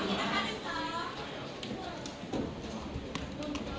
สวัสดีครับคุณผู้ชม